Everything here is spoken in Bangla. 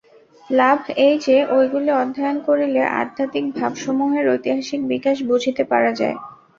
লাভ এই যে, ঐগুলি অধ্যয়ন করিলে আধ্যাত্মিক ভাবসমূহের ঐতিহাসিক বিকাশ বুঝিতে পারা যায়।